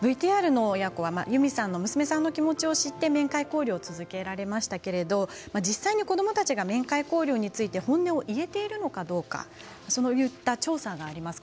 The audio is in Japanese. ＶＴＲの親子はユミさん、娘さんの気持ちを知って面会交流を続けられましたけれど実際に子どもたちが面会交流について本音を言えているかどうかそういった調査があります。